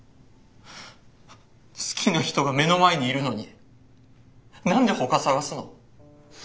好きな人が目の前にいるのに何で他探すの？